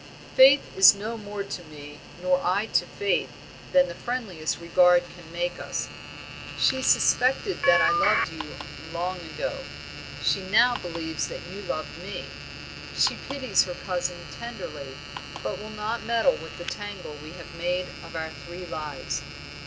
"Faith is no more to me, nor I to Faith, than the friendliest regard can make us. She suspected that I loved you long ago; she now believes that you love me; she pities her cousin tenderly, but will not meddle with the tangle we have made of our three lives.